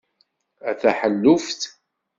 A taḥelluft!